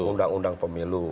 masuk dalam undang pemilu